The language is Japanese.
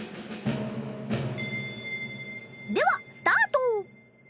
ではスタート！